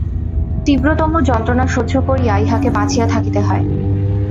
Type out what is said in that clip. তীব্রতম যন্ত্রণা সহ্য করিয়া ইহাকে বাঁচিয়া থাকিতে হয়।